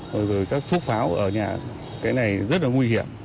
rồi các thuốc pháo ở nhà cái này rất là nguy hiểm